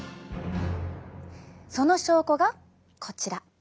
その証拠がこちら。